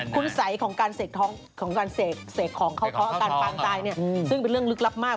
คุณไสของการเสกของการฟางไตรเนี่ยซึ่งเป็นเรื่องลึกลับมาก